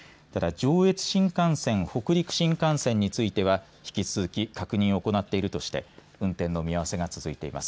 上越新幹線北陸新幹線については引き続き安全確認を行っているとして運転の見合わせが続いています。